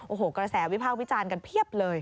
โอ้โหกระแสวิพากษ์วิจารณ์กันเพียบเลย